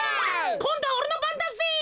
こんどはおれのばんだぜ。